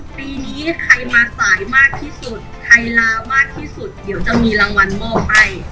ปีนี้ใครมาสายมากที่สุดใครลามากที่สุดเดี๋ยวจะมีรางวัลมอบให้